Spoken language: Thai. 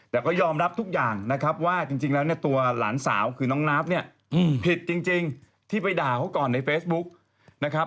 แต่ก็ยอมรับทุกอย่างนะครับว่าจริงแล้วเนี่ยตัวหลานสาวคือน้องนาฟเนี่ยผิดจริงที่ไปด่าเขาก่อนในเฟซบุ๊กนะครับ